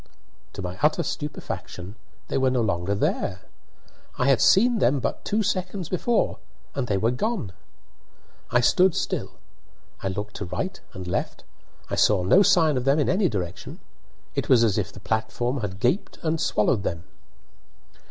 To my utter stupefaction, they were no longer there. I had seen them but two seconds before and they were gone! I stood still; I looked to right and left; I saw no sign of them in any direction. It was as if the platform had gaped and swallowed them.